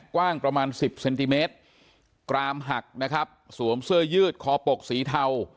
กว้างประมาณสิบเซนติเมตรกรามหักนะครับสวมเสื้อยืดคอปกสีเทา